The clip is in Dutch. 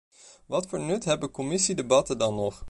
Wat voor nut hebben commissiedebatten dan nog?